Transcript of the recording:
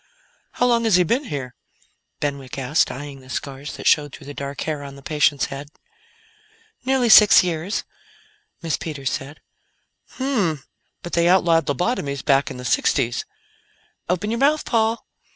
"How long has he been here?" Benwick asked, eyeing the scars that showed through the dark hair on the patient's head. "Nearly six years," Miss Peters said. "Hmmh! But they outlawed lobotomies back in the sixties." "Open your mouth, Paul."